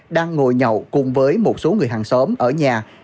đang ngồi nhậu cùng với một số người hàng xóm ở nhà